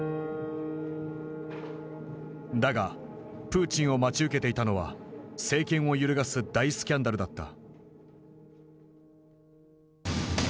だがプーチンを待ち受けていたのは政権を揺るがす大スキャンダルだった。